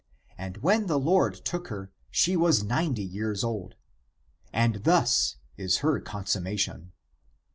And when the Lord took her, she was ninety years old. And thus is her consummation.